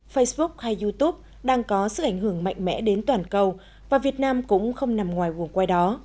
facebook hay youtube đang có sức ảnh hưởng mạnh mẽ đến toàn cầu và việt nam cũng không nằm ngoài quần quay đó